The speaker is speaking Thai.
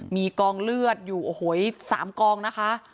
มีกองเลือดอยู่โอ้โห๓กองนะคะ